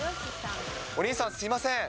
お兄さん、すみません。